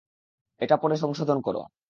এটা পড়ে সংশোধন করো।